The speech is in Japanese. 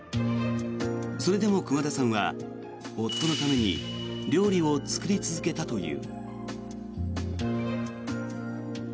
それでも熊田さんは夫のために料理を作り続けたという。